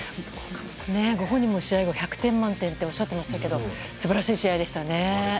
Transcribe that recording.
ご本人も試合後１００点満点とおっしゃってましたけど素晴らしい試合でしたね。